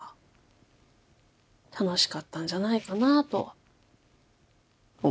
楽しかったんじゃないかなと思います。